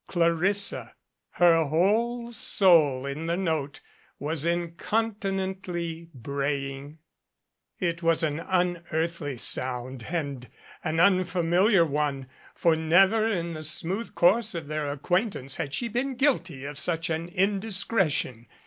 Clarissa, her whole soul in the note, was incontinently braying. It was an unearthly sound and an unfamiliar one. For never in the smooth course of their acquaintance had she been guilty of such an indiscretion.